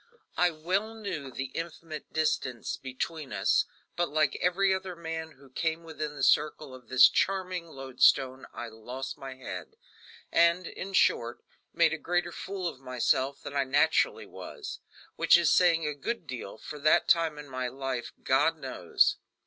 I well knew the infinite distance between us; but like every other man who came within the circle of this charming lodestone I lost my head, and, in short, made a greater fool of myself than I naturally was which is saying a good deal for that time in my life, God knows!